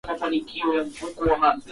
Warsha ya kuchangia kiswahili